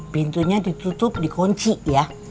pintunya ditutup di kunci ya